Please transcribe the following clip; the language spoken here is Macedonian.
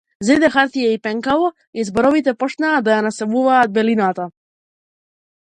Зеде хартија и пенкало и зборовите почнаа да ја населуваат белината.